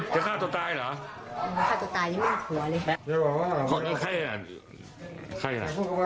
ชื่ออะไรเนี่ย